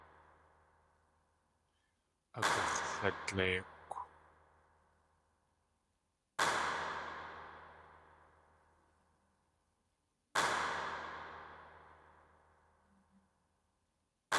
Agux̲ladléikw.